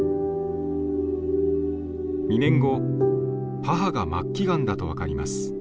２年後母が末期がんだと分かります。